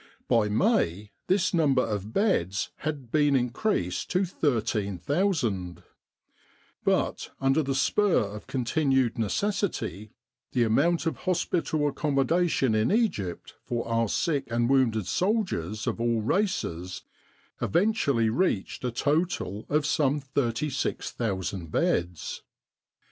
By May this number of beds had been increased to 13,000; but, under the spur of continued necessity, the amount of hospital accommodation in Egypt for our sick and wounded soldiers of all races eventually reached a total of some 36,000 beds.